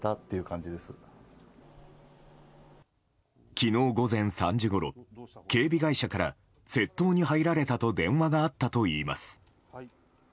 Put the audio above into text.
昨日午前３時ごろ警備会社から窃盗に入られたと電話があったといいます。